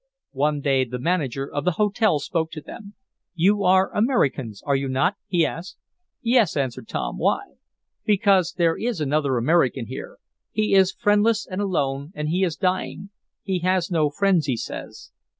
One day the manager of the hotel spoke to them. "You are Americans, are you not?" he asked. "Yes," answered Tom. "Why?" "Because there is another American here. He is friendless and alone, and he is dying. He has no friends, he says.